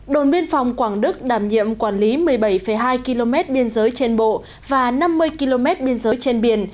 đồn biên phòng quảng đức đảm nhiệm quản lý một mươi bảy hai km biên giới trên bộ và năm mươi km biên giới trên biển